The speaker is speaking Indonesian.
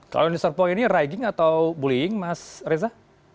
kalau di sarpong ini ragging atau bullying mas reza